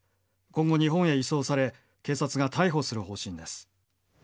今後、日本へ移送され、警察が逮捕する方針です。